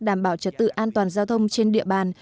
đảm bảo trật tự an toàn giao thông trên địa bàn